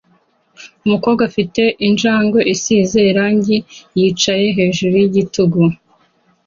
Umukobwa ufite injangwe isize irangi yicaye hejuru yigitugu